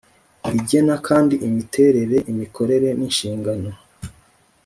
Rigena kandi imiterere imikorere n inshingano